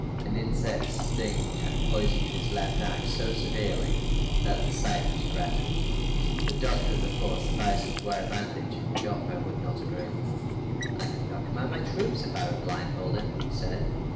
An insect's sting had poisoned his left eye so severely that the sight was threatened. The doctor of the force advised him to wear a bandage. Joffre would not agree. "I could not command my troops if I were blindfolded," he said.